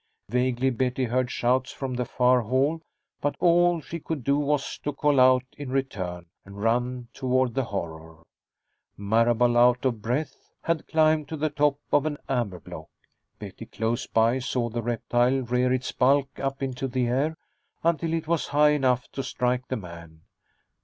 Vaguely Betty heard shouts from the far hall, but all she could do was to call out in return and run toward the horror. Marable, out of breath, had climbed to the top of an amber block. Betty, close by, saw the reptile rear its bulk up into the air, until it was high enough to strike the man.